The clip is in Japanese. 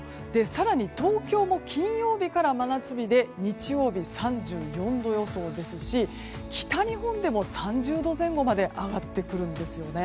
更に東京も金曜日から真夏日で日曜日、３４度予想ですし北日本でも３０度前後まで上がってくるんですよね。